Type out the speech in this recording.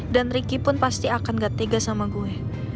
dan riki pun pasti akan gak tegas sama gue